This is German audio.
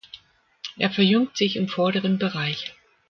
Er verjüngt sich im vorderen Bereich.